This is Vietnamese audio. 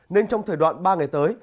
nên trong thời đoạn ba ngày tới